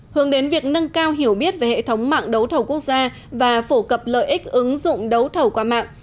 hướng đến việc nâng cao hiểu biết về hệ thống mạng đấu thầu quốc gia và phổ cập lợi ích ứng dụng đấu thầu qua mạng